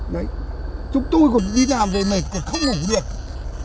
đấy chúng tôi còn đi nằm vậy này còn không ngủ được